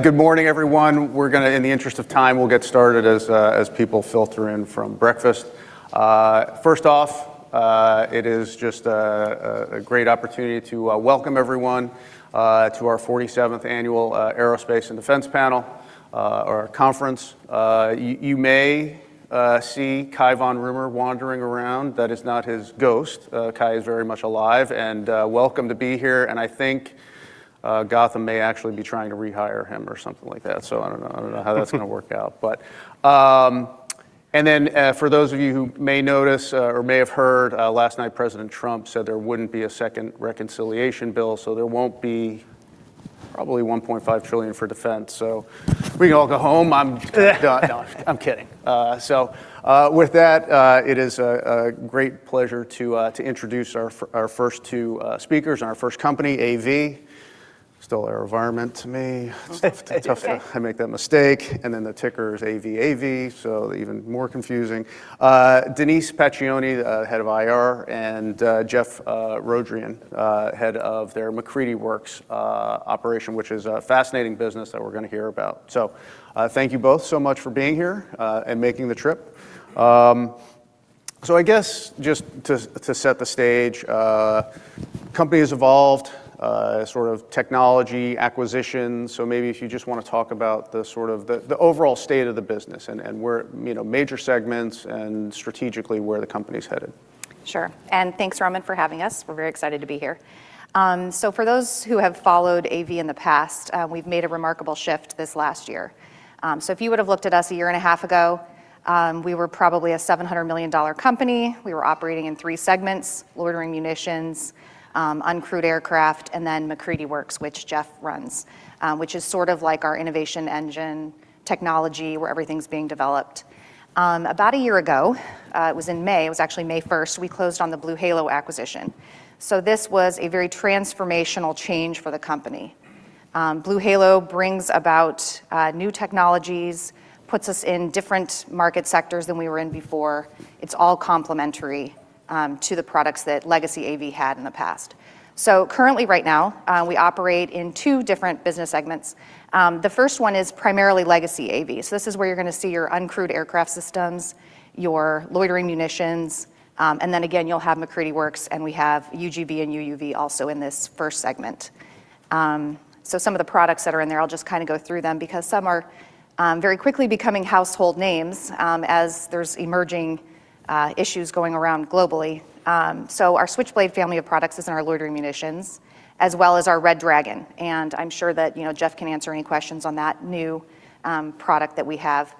Good morning, everyone. We're going to, in the interest of time, we'll get started as people filter in from breakfast. First off, it is just a great opportunity to welcome everyone to our 47th Annual Aerospace & Defense Panel, or Conference. You may see Cai von Rumohr wandering around. That is not his ghost. Cai is very much alive and welcome to be here and I think Gotham may actually be trying to rehire him or something like that. So I don't know how that's going to work out and then for those of you who may notice or may have heard, last night President Trump said there wouldn't be a second reconciliation bill, so there won't be probably $1.5 trillion for defense. So we can all go home. I'm kidding. So with that, it is a great pleasure to introduce our first two speakers and our first company, AV. Still AeroVironment to me. It's tough to make that mistake and then the ticker is AVAV, so even more confusing. Denise Pacioni, Head of IR, and Jeff Rodrian, Head of their MacCready Works operation, which is a fascinating business that we're going to hear about. So thank you both so much for being here and making the trip. So I guess just to set the stage, company has evolved, sort of technology acquisition. So maybe if you just want to talk about the overall state of the business and major segments and strategically where the company is headed. sure and thanks, Roman, for having us. We're very excited to be here. So for those who have followed AV in the past, we've made a remarkable shift this last year. So if you would have looked at us a year and a half ago, we were probably a $700 million company. We were operating in three segments: Loitering Munitions, Uncrewed Aircraft, and then MacCready Works, which Jeff runs, which is sort of like our innovation engine technology where everything's being developed. About a year ago, it was in May. It was actually May 1st. We closed on the BlueHalo acquisition. So this was a very transformational change for the company. BlueHalo brings about new technologies, puts us in different market sectors than we were in before. It's all complementary to the products that Legacy AV had in the past. So currently, right now, we operate in two different Business segments. The first one is primarily Legacy AV. This is where you're going to see your Uncrewed Aircraft Systems, your Loitering munitions and then again, you'll have MacCready Works, and we have UGV and UUV also in this first segment. Some of the products that are in there, I'll just kind of go through them because some are very quickly becoming household names as there's emerging issues going around globally. Our Switchblade family of products is in our loitering munitions, as well as our Red Dragon and I'm sure that Jeff can answer any questions on that new product that we have.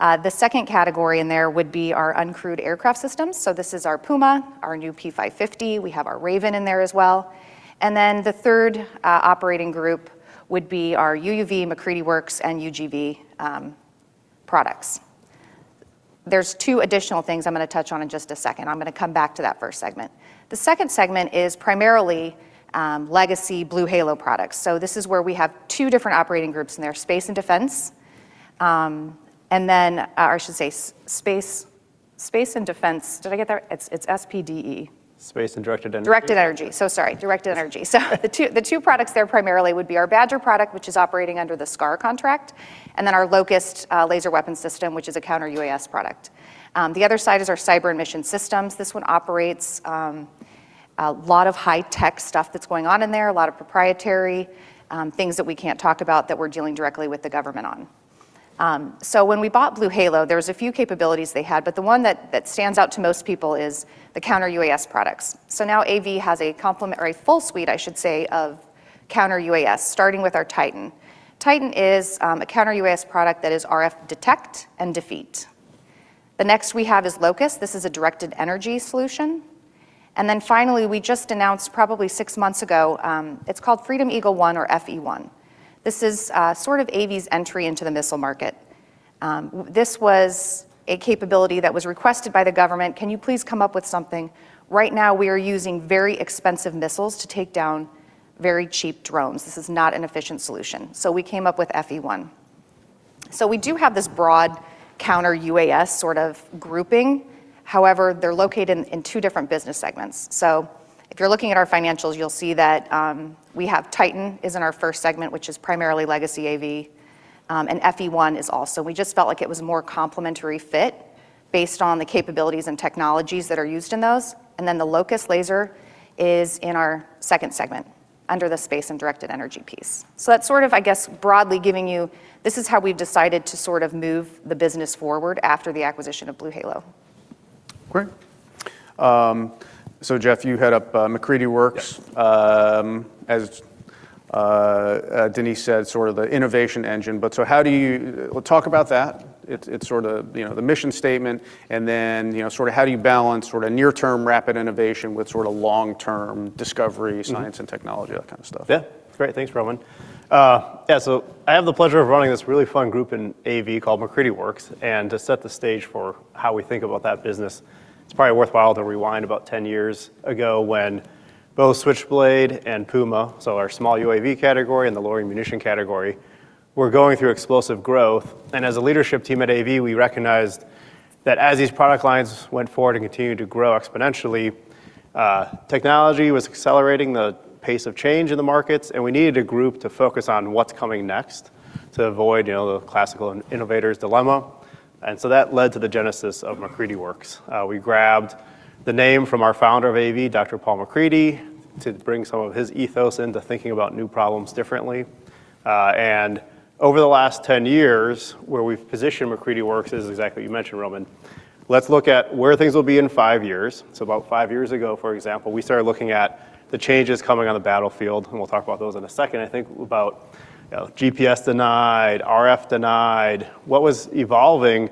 The second category in there would be our uncrewed aircraft systems. This is our Puma, our new P550. We have our Raven in there as well. And then the third operating group would be our UUV, MacCready Works, and UGV products. There's two additional things I'm going to touch on in just a second. I'm going to come back to that first segment. The second segment is primarily Legacy BlueHalo products. So this is where we have two different operating groups in there: Space and Defense and then, or I should say Space and Defense. Did I get that right? It's SPDE. Space and Directed Energy. Directed Energy. So sorry. Directed Energy. So the two products there primarily would be our Badger product, which is operating under the SCAR contract and then our LOCUST laser weapon system, which is a counter-UAS product. The other side is our Cyber Emission Systems. This one operates a lot of high-tech stuff that's going on in there, a lot of proprietary things that we can't talk about that we're dealing directly with the government on. So when we bought BlueHalo, there was a few capabilities they had, but the one that stands out to most people is the counter-UAS products. So now AV has a complement or a full suite, I should say, of counter-UAS, starting with our Titan. Titan is a counter-UAS product that is RF detect and defeat. The next we have is LOCUST. This is a directed energy solution. And then finally, we just announced probably six months ago; it's called Freedom Eagle 1 or FE1. This is sort of AV's entry into the missile market. This was a capability that was requested by the government. Can you please come up with something? Right now, we are using very expensive missiles to take down very cheap drones. This is not an efficient solution. So we came up with FE1. So we do have this broad counter-UAS sort of grouping. However, they're located in two different Business segments. So if you're looking at our financials, you'll see that we have Titan is in our first segment, which is primarily Legacy AV, and FE1 is also. We just felt like it was a more complementary fit based on the capabilities and technologies that are used in those. And then the LOCUST laser is in our second segment under the Space and Directed Energy piece. So that's sort of, I guess, broadly giving you this is how we've decided to sort of move the business forward after the acquisition of BlueHalo. Great. So Jeff, you head up MacCready Works. As Denise said, sort of the innovation engine. But so how do you talk about that? It's sort of the mission statement and then sort of how do you balance sort of near-term rapid innovation with sort of long-term discovery, science, and technology, that kind of stuff? Yeah. Great. Thanks, Roman. Yeah. So I have the pleasure of running this really fun group in AV called MacCready Works and to set the stage for how we think about that business, it's probably worthwhile to rewind about 10 years ago when both Switchblade and Puma, so our small UAV category and the loitering munition category, were going through explosive growth and as a leadership team at AV, we recognized that as these product lines went forward and continued to grow exponentially, technology was accelerating the pace of change in the markets and we needed a group to focus on what's coming next to avoid the classical innovator's dilemma and so that led to the genesis of MacCready Works. We grabbed the name from our Founder of AV, Dr. Paul MacCready, to bring some of his ethos into thinking about new problems differently. Over the last 10 years, where we've positioned MacCready Works is exactly what you mentioned, Roman. Let's look at where things will be in five years. About five years ago, for example, we started looking at the changes coming on the battlefield. We'll talk about those in a second. I think about GPS denied, RF denied, what was evolving.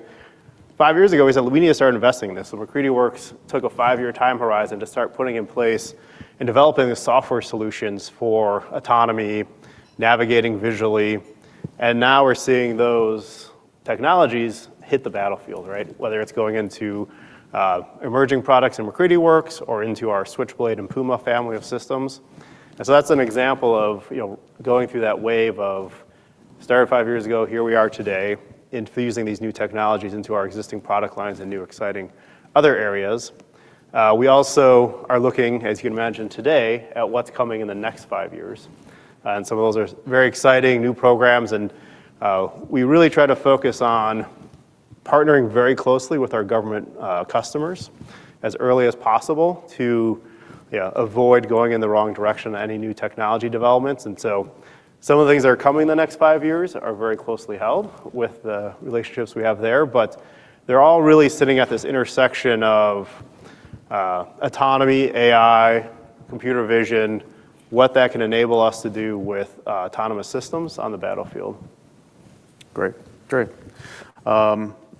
five years ago, we said, "We need to start investing in this." MacCready Works took a five-year time horizon to start putting in place and developing the software solutions for autonomy, navigating visually. Now we're seeing those technologies hit the battlefield, right? Whether it's going into emerging products in MacCready Works or into our Switchblade and Puma family of systems. And so that's an example of going through that wave of started five years ago, here we are today, infusing these new technologies into our existing product lines in new exciting other areas. We also are looking, as you can imagine today, at what's coming in the next five years and some of those are very exciting new programs and we really try to focus on partnering very closely with our government customers as early as possible to avoid going in the wrong direction on any new technology developments and so some of the things that are coming in the next five years are very closely held with the relationships we have there. But they're all really sitting at this intersection of autonomy, AI, computer vision, what that can enable us to do with autonomous systems on the battlefield. Great. Great.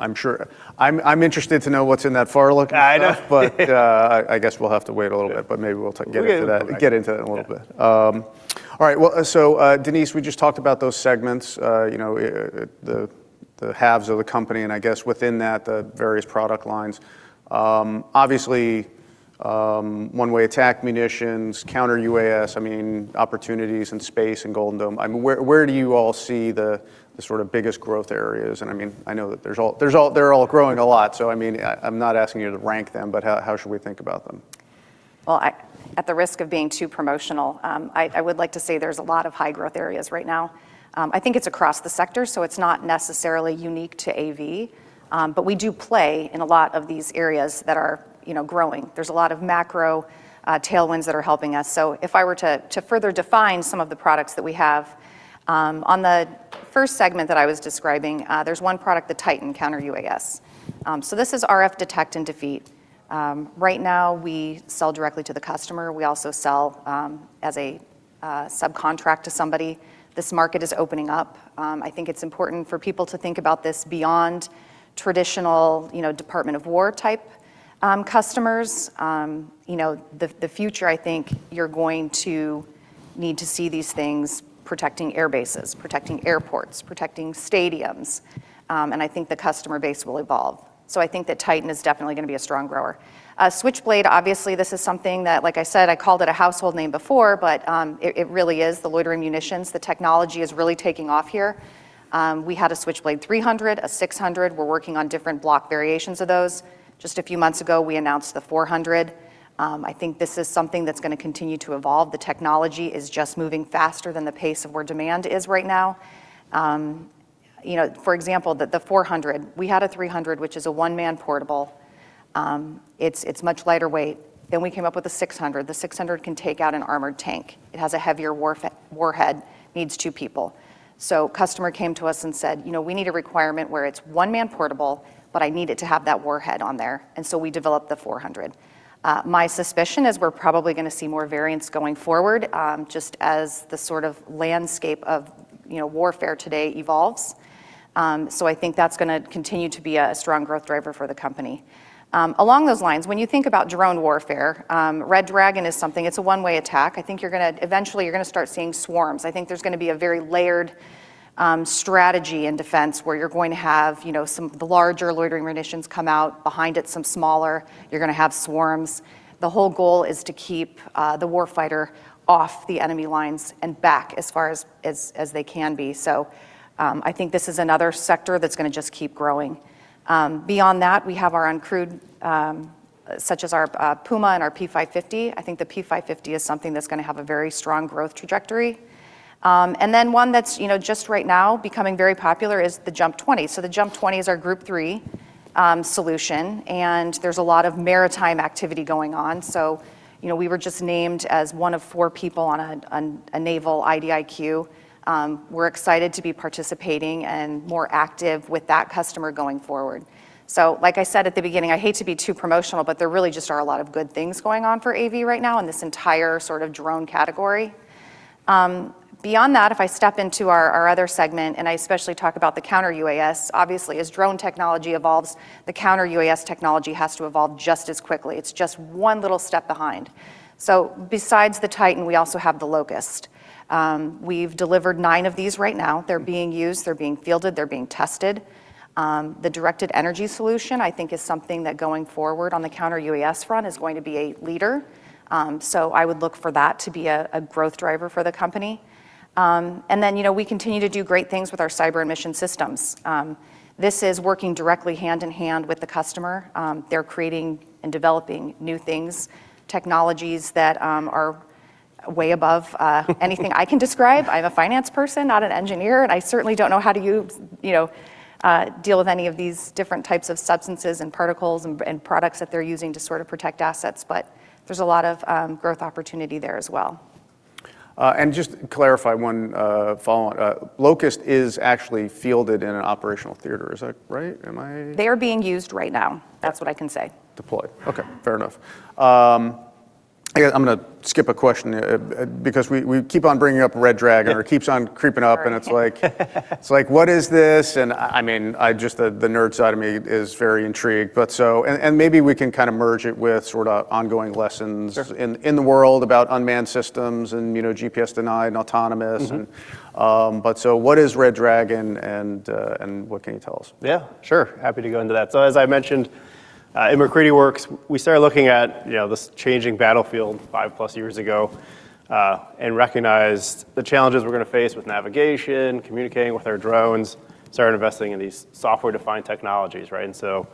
I'm sure I'm interested to know what's in that far-looking path, but I guess we'll have to wait a little bit. Maybe we'll get into that in a little bit. All right. Well, so Denise, we just talked about those segments, the halves of the company and I guess within that, the various product lines. Obviously, one-way attack munitions, counter-UAS. I mean, opportunities in Space and Golden Dome. I mean, where do you all see the sort of biggest growth areas? And I mean, I know that they're all growing a lot. I mean, I'm not asking you to rank them, but how should we think about them? Well, at the risk of being too promotional, I would like to say there's a lot of high growth areas right now. I think it's across the sector. So it's not necessarily unique to AV. But we do play in a lot of these areas that are growing. There's a lot of macro tailwinds that are helping us. So if I were to further define some of the products that we have, on the first segment that I was describing, there's one product, the Titan counter-UAS. So this is RF detect and defeat. Right now, we sell directly to the customer. We also sell as a subcontract to somebody. This market is opening up. I think it's important for people to think about this beyond traditional Department of War type customers. In the future, I think you're going to need to see these things protecting airbases, protecting airports, protecting stadiums. I think the customer base will evolve. I think that Titan is definitely going to be a strong grower. Switchblade, obviously, this is something that, like I said, I called it a household name before, but it really is. The loitering munitions, the technology is really taking off here. We had a Switchblade 300, a 600. We're working on different block variations of those. Just a few months ago, we announced the 400. I think this is something that's going to continue to evolve. The technology is just moving faster than the pace of where demand is right now. For example, the 400, we had a 300, which is a one-man portable. It's much lighter weight. Then we came up with the 600. The 600 can take out an armored tank. It has a heavier warhead, needs two people. So a customer came to us and said, "We need a requirement where it's one-man portable, but I need it to have that warhead on there." And so we developed the 400. My suspicion is we're probably going to see more variants going forward just as the sort of landscape of warfare today evolves. So I think that's going to continue to be a strong growth driver for the company. Along those lines, when you think about drone warfare, Red Dragon is something. It's a one-way attack. I think you're going to eventually, you're going to start seeing swarms. I think there's going to be a very layered strategy in defense where you're going to have some of the larger loitering munitions come out behind it, some smaller. You're going to have swarms. The whole goal is to keep the warfighter off the enemy lines and back as far as they can be. So I think this is another sector that's going to just keep growing. Beyond that, we have our uncrewed, such as our Puma and our P550. I think the P550 is something that's going to have a very strong growth trajectory and then one that's just right now becoming very popular is the JUMP 20. So the JUMP 20 is our group three solution and there's a lot of maritime activity going on. So we were just named as one of four people on a naval IDIQ. We're excited to be participating and more active with that customer going forward. So like I said at the beginning, I hate to be too promotional, but there really just are a lot of good things going on for AV right now in this entire sort of drone category. Beyond that, if I step into our other segment and I especially talk about the counter-UAS, obviously, as drone technology evolves, the counter-UAS technology has to evolve just as quickly. It's just one little step behind. So besides the Titan, we also have the LOCUST. We've delivered nine of these right now. They're being used. They're being fielded. They're being tested. The directed energy solution, I think, is something that going forward on the counter-UAS front is going to be a leader. So I would look for that to be a growth driver for the company and then we continue to do great things with our cyber emission systems. This is working directly hand in hand with the customer. They're creating and developing new things, technologies that are way above anything I can describe. I'm a finance person, not an engineer. I certainly don't know how do you deal with any of these different types of substances and particles and products that they're using to sort of protect assets. There's a lot of growth opportunity there as well. Just to clarify one follow-up, LOCUST is actually fielded in an operational theater. Is that right? Am I? They're being used right now. That's what I can say. Deployed. Okay. Fair enough. I guess I'm going to skip a question because we keep on bringing up Red Dragon or it keeps on creeping up. It's like, what is this? I mean, just the nerd side of me is very intrigued. But maybe we can kind of merge it with sort of ongoing lessons in the world about unmanned systems and GPS denied and autonomous. But what is Red Dragon and what can you tell us? Yeah. Sure. Happy to go into that. So as I mentioned in MacCready Works, we started looking at this changing battlefield five plus years ago and recognized the challenges we're going to face with navigation, communicating with our drones, started investing in these software-defined technologies, right? And so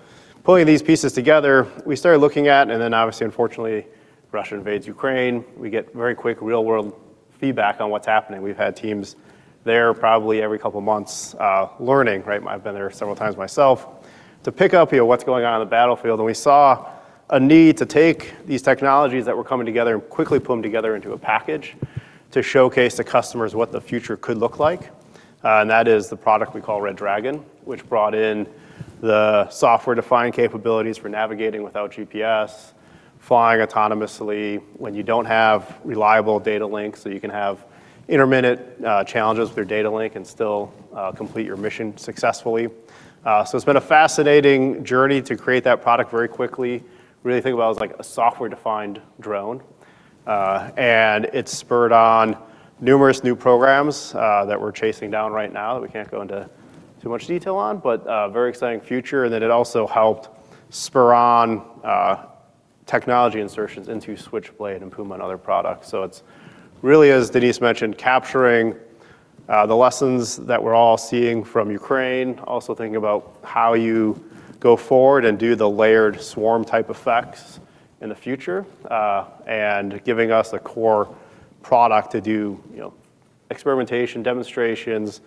pulling these pieces together, we started looking at, and then obviously, unfortunately, Russia invades Ukraine. We get very quick real-world feedback on what's happening. We've had teams there probably every couple of months learning, right? I've been there several times myself to pick up what's going on in the battlefield and we saw a need to take these technologies that were coming together and quickly put them together into a package to showcase to customers what the future could look like. That is the product we call Red Dragon, which brought in the software-defined capabilities for navigating without GPS, flying autonomously when you don't have reliable data links. So you can have intermittent challenges with your data link and still complete your mission successfully. So it's been a fascinating journey to create that product very quickly. Really think about it as like a software-defined drone and it spurred on numerous new programs that we're chasing down right now that we can't go into too much detail on, but a very exciting future and then it also helped spur on technology insertions into Switchblade and Puma and other products. So it's really, as Denise mentioned, capturing the lessons that we're all seeing from Ukraine. Also thinking about how you go forward and do the layered swarm type effects in the future and giving us a core product to do experimentation, demonstrations,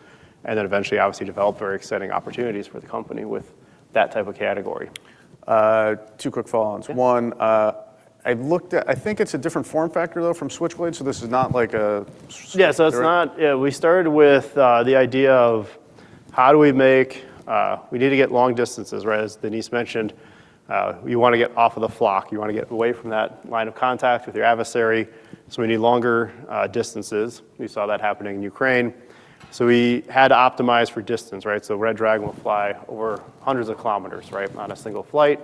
and then eventually, obviously, develop very exciting opportunities for the company with that type of category. Two quick follow-ups. One, I think it's a different form factor though from Switchblade. So this is not like a... Yeah. We started with the idea of how we need to get long distances, right? As Denise mentioned, you want to get off of the flock. You want to get away from that line of contact with your adversary. So we need longer distances. We saw that happening in Ukraine. So we had to optimize for distance, right? So Red Dragon will fly over hundreds of kilometers, right, on a single flight.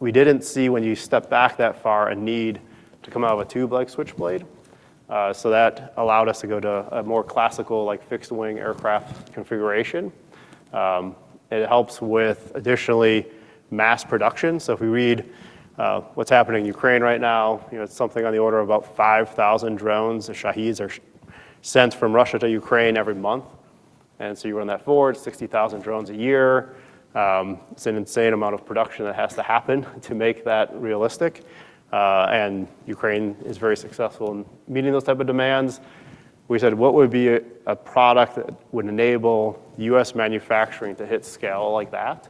We didn't see, when you step back that far, a need to come out of a tube like Switchblade. So that allowed us to go to a more classical fixed-wing aircraft configuration. It helps with additionally mass production. So if we read what's happening in Ukraine right now, it's something on the order of about 5,000 drones. The Shaheds are sent from Russia to Ukraine every month. So you run that forward, it's 60,000 drones a year. It's an insane amount of production that has to happen to make that realistic. Ukraine is very successful in meeting those type of demands. We said, what would be a product that would enable U.S. manufacturing to hit scale like that?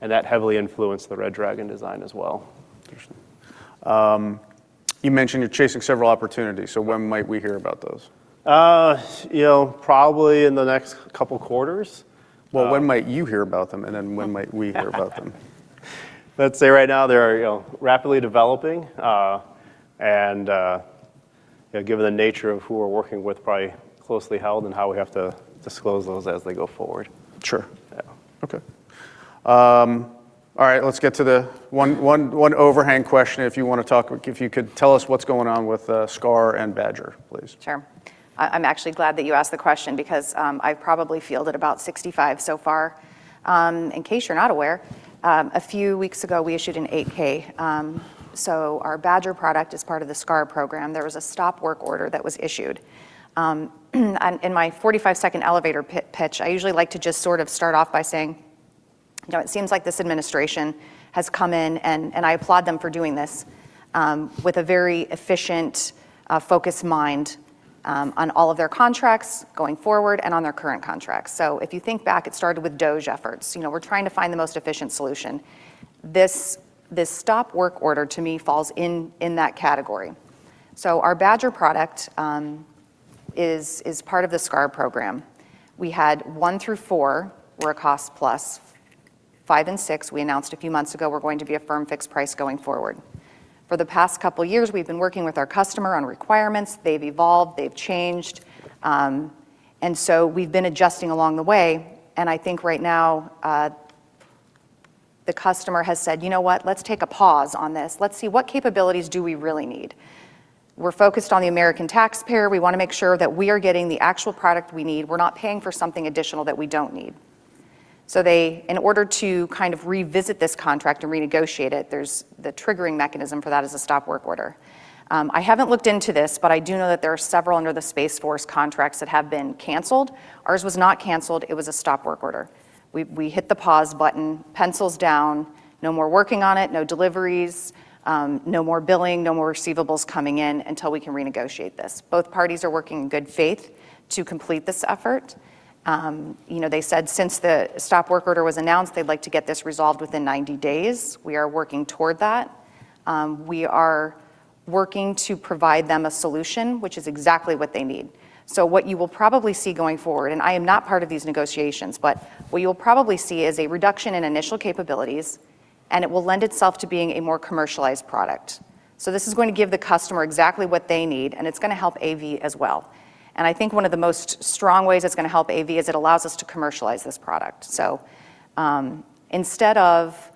That heavily influenced the Red Dragon design as well. Interesting. You mentioned you're chasing several opportunities. When might we hear about those? Probably in the next couple of quarters. Well, when might you hear about them? And then when might we hear about them? Let's say right now they are rapidly developing and given the nature of who we're working with, probably closely held and how we have to disclose those as they go forward. Sure. Okay. All right. Let's get to the one overhang question. If you want to talk, if you could tell us what's going on with SCAR and BADGER, please. Sure. I'm actually glad that you asked the question because I've probably fielded about 65 so far. In case you're not aware, a few weeks ago, we issued an 8-K. So our Badger product is part of the SCAR program. There was a stop work order that was issued and in my 45-second elevator pitch, I usually like to just sort of start off by saying, it seems like this administration has come in, and I applaud them for doing this with a very efficient focused mind on all of their contracts going forward and on their current contracts. So if you think back, it started with DOGE efforts. We're trying to find the most efficient solution. This stop work order, to me, falls in that category. So our Badger product is part of the SCAR program. We had one through four were a cost-plus, five and six, we announced a few months ago, we're going to be a firm fixed price going forward. For the past couple of years, we've been working with our customer on requirements. They've evolved. They've changed and so we've been adjusting along the way and I think right now the customer has said, "You know what? Let's take a pause on this. Let's see what capabilities do we really need?" We're focused on the American taxpayer. We want to make sure that we are getting the actual product we need. We're not paying for something additional that we don't need. So in order to kind of revisit this contract and renegotiate it, the triggering mechanism for that is a stop work order. I haven't looked into this, but I do know that there are several under the Space Force contracts that have been canceled. Ours was not canceled. It was a stop work order. We hit the pause button, pencils down, no more working on it, no deliveries, no more billing, no more receivables coming in until we can renegotiate this. Both parties are working in good faith to complete this effort. They said since the stop work order was announced, they'd like to get this resolved within 90 days. We are working toward that. We are working to provide them a solution, which is exactly what they need. So what you will probably see going forward, and I am not part of these negotiations, but what you'll probably see is a reduction in initial capabilities, and it will lend itself to being a more commercialized product. So this is going to give the customer exactly what they need, and it's going to help AV as well. I think one of the most strong ways it's going to help AV is it allows us to commercialize this product. So instead of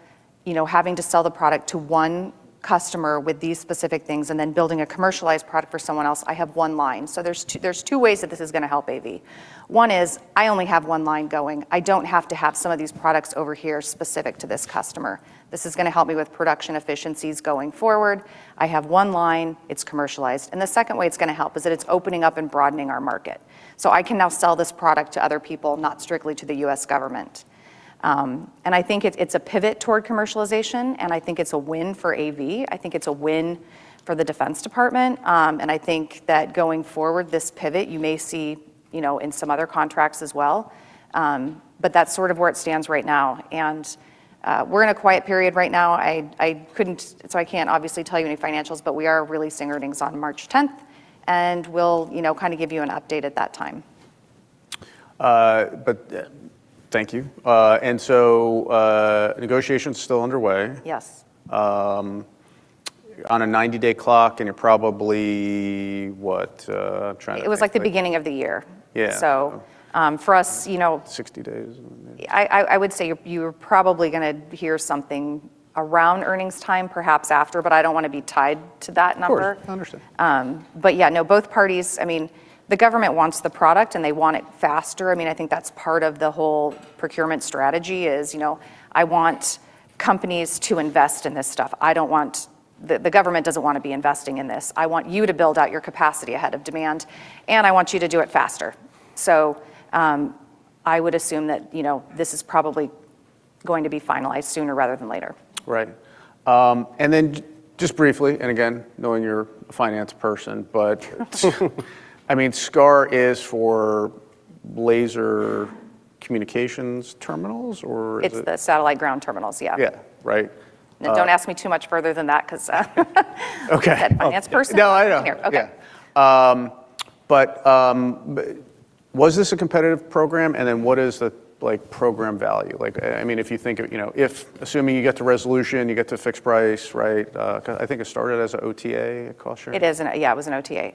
having to sell the product to one customer with these specific things and then building a commercialized product for someone else, I have one line. So there's two ways that this is going to help AV. One is I only have one line going. I don't have to have some of these products over here specific to this customer. This is going to help me with production efficiencies going forward. I have one line. It's commercialized and the second way it's going to help is that it's opening up and broadening our market. So I can now sell this product to other people, not strictly to the U.S. government and I think it's a pivot toward commercialization, and I think it's a win for AV. I think it's a win for the Defense Department. I think that going forward, this pivot, you may see in some other contracts as well. That's sort of where it stands right now. We're in a quiet period right now. I can't obviously tell you any financials, but we are really reporting on March 10th, and we'll kind of give you an update at that time. Thank you. So negotiations are still underway. Yes. On a 90-day clock, and you're probably what? I'm trying to. It was like the beginning of the year. So for us. 60 days. I would say you're probably going to hear something around earnings time, perhaps after, but I don't want to be tied to that number. Sure. Understood. But yeah, no, both parties, I mean, the government wants the product, and they want it faster. I mean, I think that's part of the whole procurement strategy is I want companies to invest in this stuff. I don't want... The government doesn't want to be investing in this. I want you to build out your capacity ahead of demand, and I want you to do it faster. So I would assume that this is probably going to be finalized sooner rather than later. right and then just briefly, and again, knowing you're a finance person, but I mean, SCAR is for laser communications terminals or is it? It's the satellite ground terminals. Yeah. Yeah. Right. Don't ask me too much further than that because I'm a head finance person. No, I know. Here. Okay. But was this a competitive program? And then what is the program value? I mean, if you think of... Assuming you get to resolution, you get to a fixed price, right? Because I think it started as an OTA, it cost you? Yeah, it was an OTA.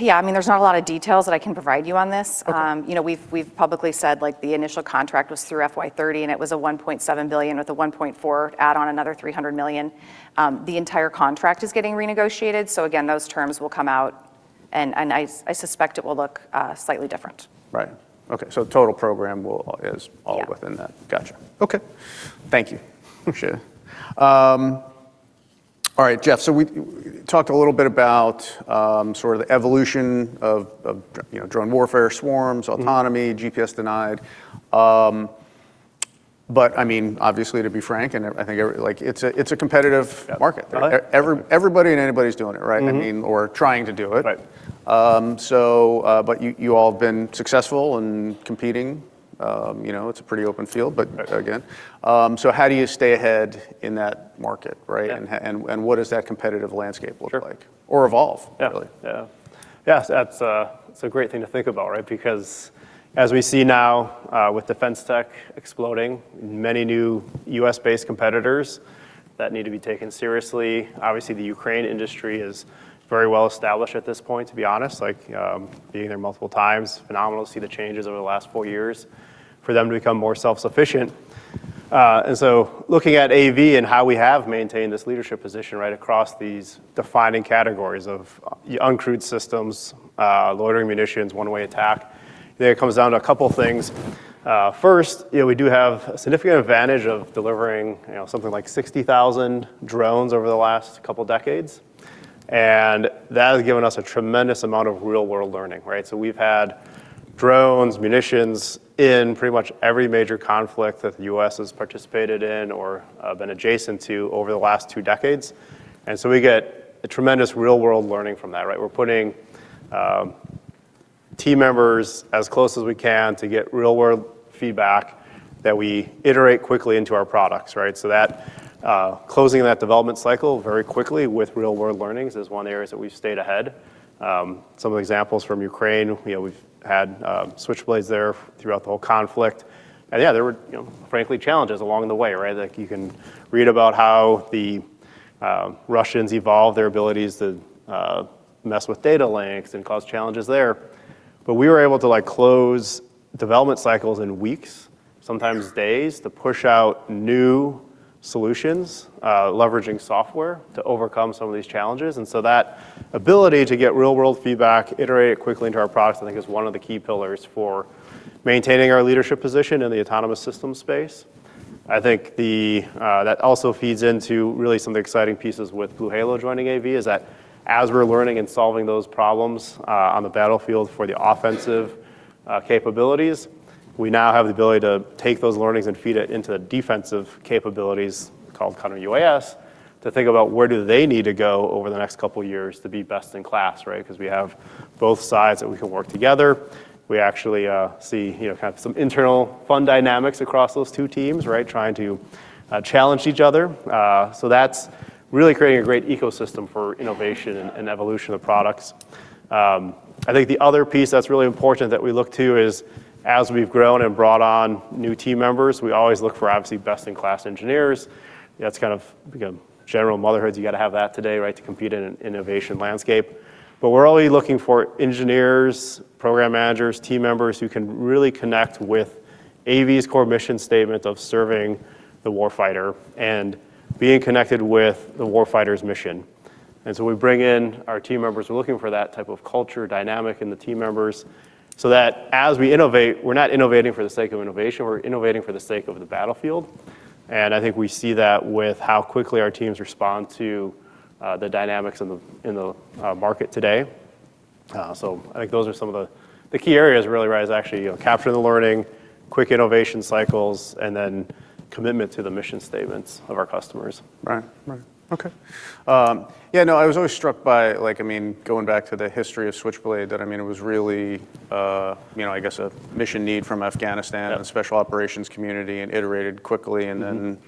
Yeah. I mean, there's not a lot of details that I can provide you on this. We've publicly said the initial contract was through FY 2030, and it was a $1.7 billion with a $1.4 billion add-on, another $300 million. The entire contract is getting renegotiated. So again, those terms will come out, and I suspect it will look slightly different. Right. Okay. So total program is all within that. Gotcha. Okay. Thank you. All right, Jeff. So we talked a little bit about sort of the evolution of drone warfare, swarms, autonomy, GPS-denied. But I mean, obviously, to be frank, and I think it's a competitive market. Everybody and anybody's doing it, right? I mean, or trying to do it. But you all have been successful and competing. It's a pretty open field. But again, so how do you stay ahead in that market, right? And what does that competitive landscape look like or evolve, really? Yeah. Yeah. That's a great thing to think about, right? Because as we see now with defense tech exploding, many new U.S.-based competitors that need to be taken seriously. Obviously, the Ukraine industry is very well established at this point, to be honest. Being there multiple times, phenomenal to see the changes over the last four years for them to become more self-sufficient and so looking at AV and how we have maintained this leadership position right across these defining categories of uncrewed systems, loitering munitions, one-way attack, there comes down to a couple of things. First, we do have a significant advantage of delivering something like 60,000 drones over the last couple of decades and that has given us a tremendous amount of real-world learning, right? We've had drones, munitions in pretty much every major conflict that the U.S. has participated in or been adjacent to over the last two decades. So we get a tremendous real-world learning from that, right? We're putting team members as close as we can to get real-world feedback that we iterate quickly into our products, right? Closing that development cycle very quickly with real-world learnings is one area that we've stayed ahead. Some examples from Ukraine, we've had Switchblades there throughout the whole conflict. Yeah, there were frankly challenges along the way, right? You can read about how the Russians evolved their abilities to mess with data links and cause challenges there. We were able to close development cycles in weeks, sometimes days, to push out new solutions, leveraging software to overcome some of these challenges. So that ability to get real-world feedback, iterate it quickly into our products, I think is one of the key pillars for maintaining our leadership position in the autonomous system space. I think that also feeds into really some of the exciting pieces with BlueHalo joining AV is that as we're learning and solving those problems on the battlefield for the offensive capabilities, we now have the ability to take those learnings and feed it into the defensive capabilities called counter-UAS to think about where do they need to go over the next couple of years to be best in class, right? Because we have both sides that we can work together. We actually see kind of some internal fun dynamics across those two teams, right? Trying to challenge each other. So that's really creating a great ecosystem for innovation and evolution of products. I think the other piece that's really important that we look to is as we've grown and brought on new team members, we always look for obviously best-in-class engineers. That's kind of become general motherhoods. You got to have that today, right? To compete in an innovation landscape. But we're always looking for engineers, program managers, team members who can really connect with AV's core mission statement of serving the warfighter and being connected with the warfighter's mission. And so we bring in our team members. We're looking for that type of culture dynamic in the team members so that as we innovate, we're not innovating for the sake of innovation. We're innovating for the sake of the battlefield and I think we see that with how quickly our teams respond to the dynamics in the market today. So I think those are some of the key areas really, right? Is actually capturing the learning, quick innovation cycles, and then commitment to the mission statements of our customers. Right. Right. Okay. Yeah. No, I was always struck by, I mean, going back to the history of Switchblade, that I mean, it was really, I guess, a mission need from Afghanistan and the special operations community and iterated quickly and then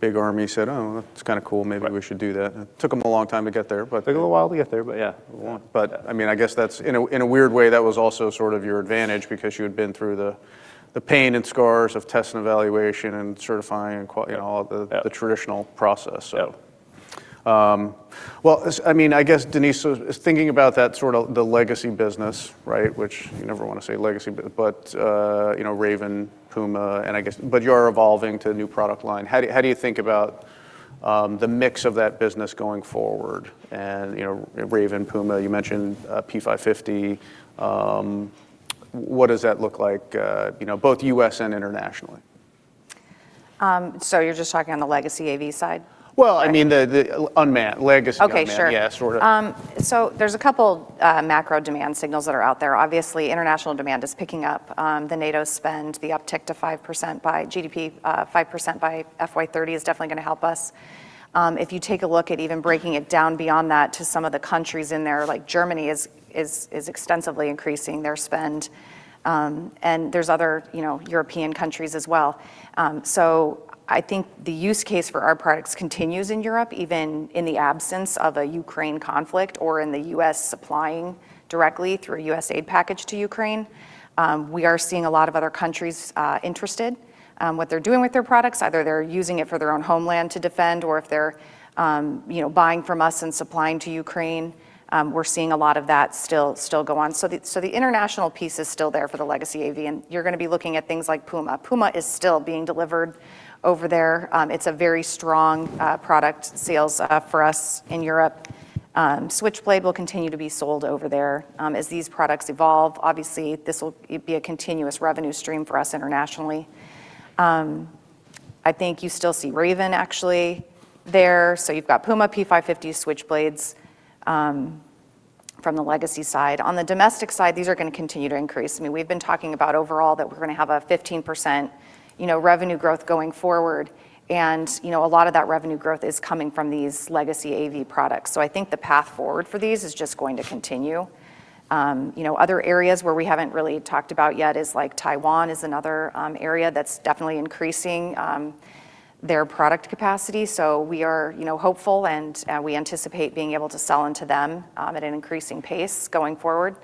Big Army said, "Oh, that's kind of cool. Maybe we should do that." It took them a long time to get there, but. Took a little while to get there, but yeah. But I mean, I guess that's in a weird way, that was also sort of your advantage because you had been through the pain and scars of test and evaluation and certifying and all the traditional process. So well, I mean, I guess Denise is thinking about that sort of the Legacy business, right? Which you never want to say Legacy, but Raven, Puma, and I guess, but you are evolving to a new product line. How do you think about the mix of that business going forward? And Raven, Puma, you mentioned P550. What does that look like both u.s and internationally? So you're just talking on the Legacy AV side? Well, I mean, the Unmanned, Legacy Unmanned. Yeah, sort of. So there's a couple macro demand signals that are out there. Obviously, international demand is picking up. The NATO spend, the uptick to 5% by GDP, 5% by FY 2030 is definitely going to help us. If you take a look at even breaking it down beyond that to some of the countries in there, like Germany is extensively increasing their spend and there's other European countries as well. So I think the use case for our products continues in Europe, even in the absence of a Ukraine conflict or in the U.S. supplying directly through a U.S. aid package to Ukraine. We are seeing a lot of other countries interested in what they're doing with their products. Either they're using it for their own homeland to defend or if they're buying from us and supplying to Ukraine, we're seeing a lot of that still go on. So the international piece is still there for the Legacy AV, and you're going to be looking at things like Puma. Puma is still being delivered over there. It's a very strong product sales for us in Europe. Switchblade will continue to be sold over there as these products evolve. Obviously, this will be a continuous revenue stream for us internationally. I think you still see Raven actually there. So you've got Puma, P550, Switchblades from the Legacy side. On the domestic side, these are going to continue to increase. I mean, we've been talking about overall that we're going to have a 15% revenue growth going forward, and a lot of that revenue growth is coming from these Legacy AV products. So I think the path forward for these is just going to continue. Other areas where we haven't really talked about yet is like Taiwan is another area that's definitely increasing their product capacity. So we are hopeful, and we anticipate being able to sell into them at an increasing pace going forward.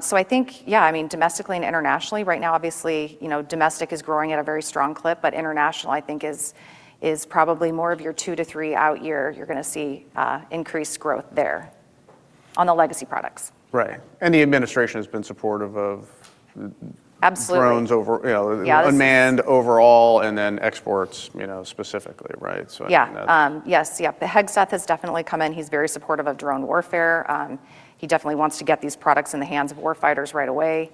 So I think, yeah, I mean, domestically and internationally right now, obviously, domestic is growing at a very strong clip, but international, I think, is probably more of your two to three out year. You're going to see increased growth there on the Legacy products. right and the administration has been supportive of drones over unmanned overall and then exports specifically, right? So yeah. Yeah. Yes. Yep. Pete Hegseth has definitely come in. He's very supportive of drone warfare. He definitely wants to get these products in the hands of warfighters right away.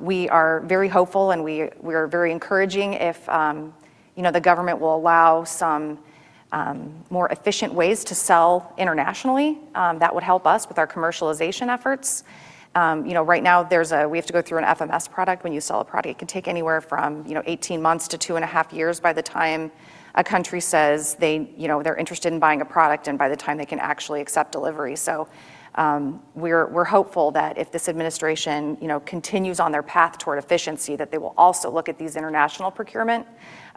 We are very hopeful, and we are very encouraged if the government will allow some more efficient ways to sell internationally. That would help us with our commercialization efforts. Right now, we have to go through an FMS process. When you sell a product, it can take anywhere from 18 months to two and a half years by the time a country says they're interested in buying a product and by the time they can actually accept delivery. So we're hopeful that if this administration continues on their path toward efficiency, that they will also look at these international procurement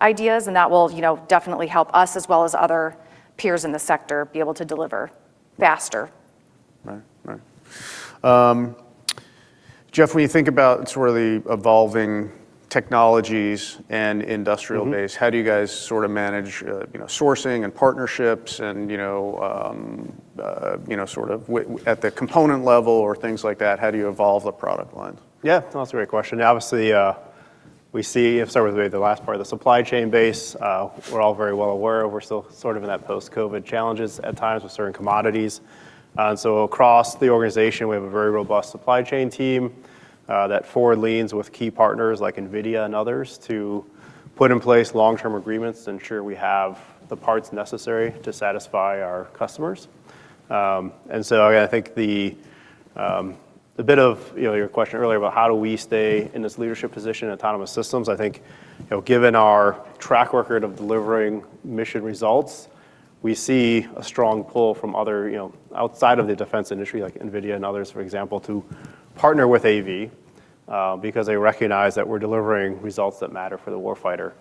ideas, and that will definitely help us as well as other peers in the sector be able to deliver faster. Right. Right. Jeff, when you think about sort of the evolving technologies and industrial base, how do you guys sort of manage sourcing and partnerships and sort of at the component level or things like that? How do you evolve the product lines? Yeah. That's a great question. Obviously, we see, if I start with the last part, the supply chain base. We're all very well aware of we're still sort of in that post-COVID challenges at times with certain commodities and so across the organization, we have a very robust supply chain team that forward leans with key partners like NVIDIA and others to put in place long-term agreements to ensure we have the parts necessary to satisfy our customers and so again, I think the bit of your question earlier about how do we stay in this leadership position in autonomous systems, I think given our track record of delivering mission results, we see a strong pull from other outside of the defense industry like NVIDIA and others, for example, to partner with AV because they recognize that we're delivering results that matter for the warfighter.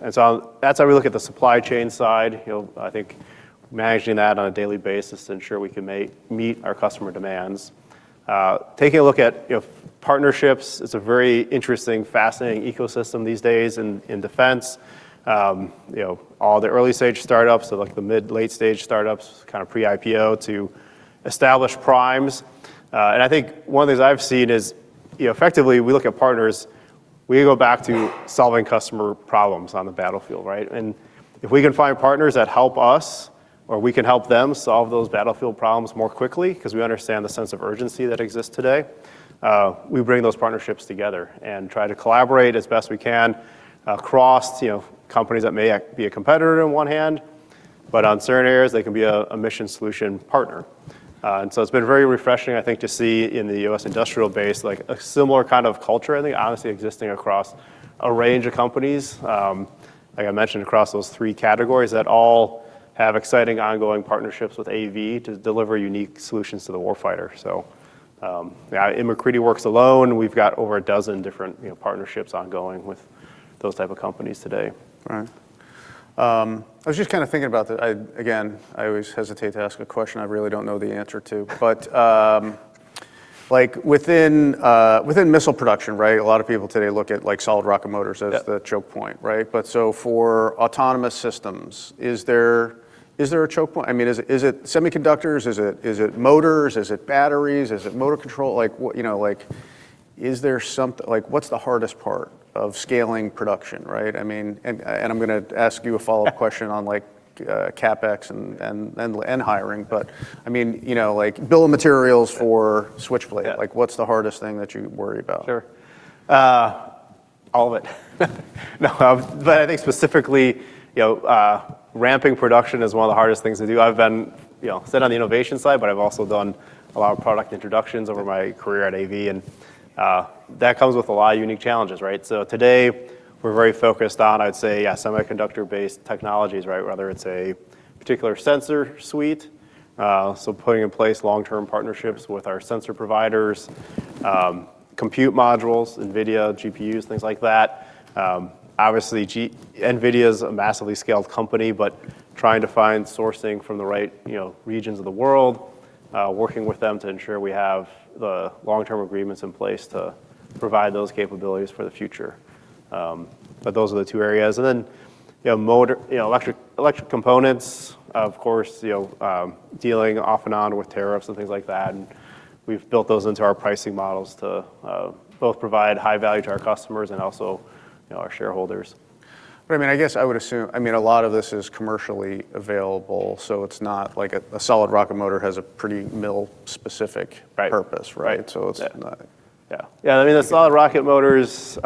That's how we look at the supply chain side. I think, managing that on a daily basis to ensure we can meet our customer demands. Taking a look at partnerships, it's a very interesting, fascinating ecosystem these days in defense. All the early-stage startups, so like the mid-late-stage startups, kind of pre-IPO to established primes and I think one of the things I've seen is effectively we look at partners. We go back to solving customer problems on the battlefield, right? And if we can find partners that help us or we can help them solve those battlefield problems more quickly because we understand the sense of urgency that exists today, we bring those partnerships together and try to collaborate as best we can across companies that may be a competitor on one hand, but on certain areas, they can be a mission solution partner. And so it's been very refreshing, I think, to see in the U.S. industrial base a similar kind of culture, I think, honestly existing across a range of companies, like I mentioned, across those three categories that all have exciting ongoing partnerships with AV to deliver unique solutions to the warfighter. So yeah, MacCready Works alone. We've got over a dozen different partnerships ongoing with those type of companies today. Right. I was just kind of thinking about this. Again, I always hesitate to ask a question I really don't know the answer to. But within missile production, right? A lot of people today look at solid rocket motors as the choke point, right? But so for autonomous systems, is there a choke point? I mean, is it semiconductors? Is it motors? Is it batteries? Is it motor control? Is there something? What's the hardest part of scaling production, right? I mean, and I'm going to ask you a follow-up question on CapEx and hiring, but I mean, bill of materials for Switchblade. What's the hardest thing that you worry about? Sure. All of it. No, but I think specifically ramping production is one of the hardest things to do. I've been set on the innovation side, but I've also done a lot of product introductions over my career at AV, and that comes with a lot of unique challenges, right? So today, we're very focused on, I would say, yeah, semiconductor-based technologies, right? Whether it's a particular sensor suite, so putting in place long-term partnerships with our sensor providers, compute modules, NVIDIA, GPUs, things like that. Obviously, NVIDIA is a massively scaled company, but trying to find sourcing from the right regions of the world, working with them to ensure we have the long-term agreements in place to provide those capabilities for the future. But those are the two areas and then electric components, of course, dealing off and on with tariffs and things like that. We've built those into our pricing models to both provide high value to our customers and also our shareholders. But I mean, I guess I would assume, I mean, a lot of this is commercially available. So it's not like a solid rocket motor has a pretty mil-specific purpose, right? So it's not. Yeah. Yeah. I mean, the solid rocket motors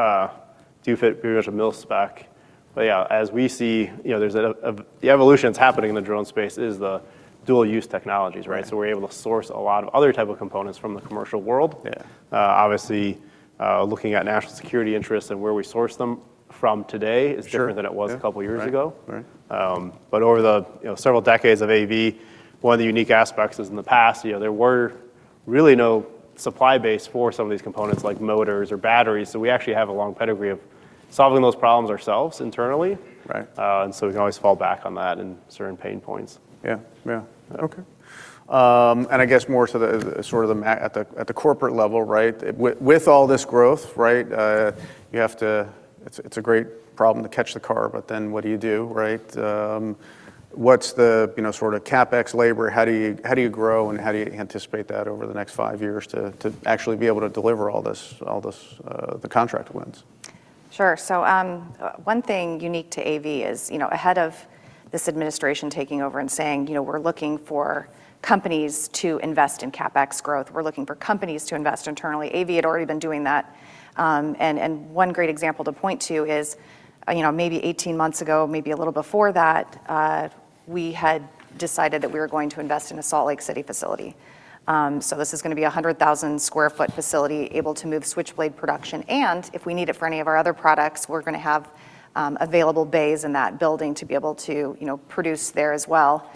do fit pretty much a mil spec. But yeah, as we see, the evolution that's happening in the drone space is the dual-use technologies, right? So we're able to source a lot of other type of components from the commercial world. Obviously, looking at national security interests and where we source them from today is different than it was a couple of years ago. But over the several decades of AV, one of the unique aspects is in the past, there were really no supply base for some of these components like motors or batteries. So we actually have a long pedigree of solving those problems ourselves internally and so we can always fall back on that in certain pain points. Yeah. Yeah. Okay. I guess more so sort of at the corporate level, right? With all this growth, right? It's a great problem to catch the car, but then what do you do, right? What's the sort of CapEx labor? How do you grow and how do you anticipate that over the next five years to actually be able to deliver all this if the contract wins? Sure. So one thing unique to AV is ahead of this administration taking over and saying, "We're looking for companies to invest in CapEx growth. We're looking for companies to invest internally." AV had already been doing that and one great example to point to is maybe 18 months ago, maybe a little before that, we had decided that we were going to invest in a Salt Lake City facility. So this is going to be a 100,000 sq ft facility able to move Switchblade production and if we need it for any of our other products, we're going to have available bays in that building to be able to produce there as well.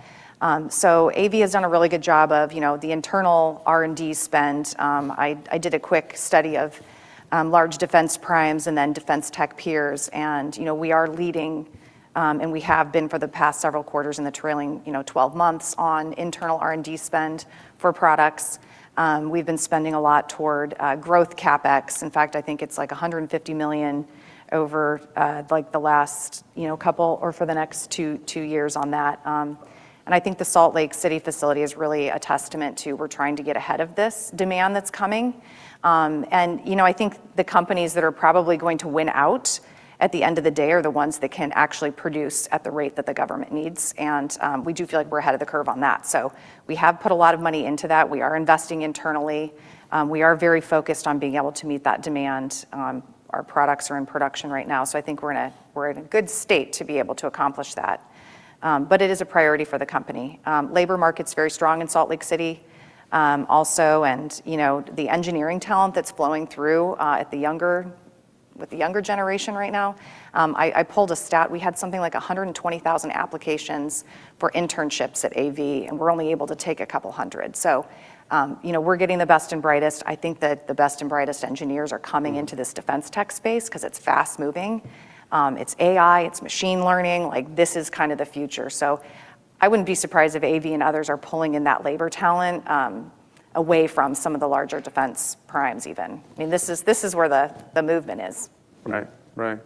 So AV has done a really good job of the internal R&D spend. I did a quick study of large defense primes and then defense tech peers. We are leading, and we have been for the past several quarters in the trailing 12 months on internal R&D spend for products. We've been spending a lot toward growth CapEx. In fact, I think it's like $150 million over the last couple or for the next two years on that. I think the Salt Lake City facility is really a testament to we're trying to get ahead of this demand that's coming. I think the companies that are probably going to win out at the end of the day are the ones that can actually produce at the rate that the government needs. We do feel like we're ahead of the curve on that. We have put a lot of money into that. We are investing internally. We are very focused on being able to meet that demand. Our products are in production right now. So I think we're in a good state to be able to accomplish that. But it is a priority for the company. Labor market's very strong in Salt Lake City also and the engineering talent that's flowing through with the younger generation right now, I pulled a stat. We had something like 120,000 applications for internships at AV, and we're only able to take a couple hundred. So we're getting the best and brightest. I think that the best and brightest engineers are coming into this defense tech space because it's fast-moving. It's AI. It's machine learning. This is kind of the future. So I wouldn't be surprised if AV and others are pulling in that labor talent away from some of the larger defense primes even. I mean, this is where the movement is. Right. Right.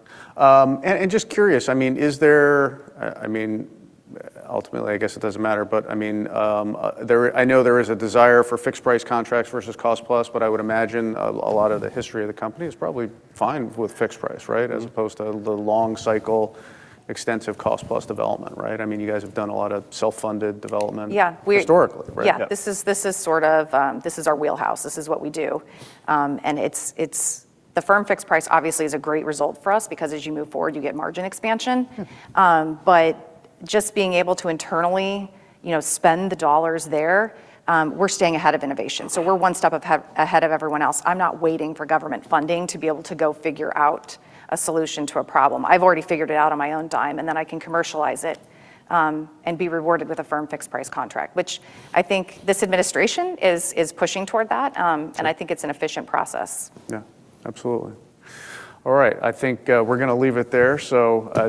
Just curious, I mean, is there—I mean, ultimately, I guess it doesn't matter, but I mean, I know there is a desire for fixed-price contracts versus cost-plus, but I would imagine a lot of the history of the company is probably fine with fixed-price, right? As opposed to the long cycle, extensive cost-plus development, right? I mean, you guys have done a lot of self-funded development historically, right? Yeah. This is sort of—this is our wheelhouse. This is what we do and the firm fixed price obviously is a great result for us because as you move forward, you get margin expansion. But just being able to internally spend the dollars there, we're staying ahead of innovation. So we're one step ahead of everyone else. I'm not waiting for government funding to be able to go figure out a solution to a problem. I've already figured it out on my own dime, and then I can commercialize it and be rewarded with a firm fixed-price contract, which I think this administration is pushing toward that and I think it's an efficient process. Yeah. Absolutely. All right. I think we're going to leave it there.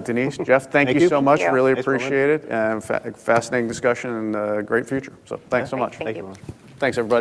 Denise, Jeff, thank you so much. Really appreciate it. Fascinating discussion and a great future. Thanks so much. Thank you. Thanks, everybody.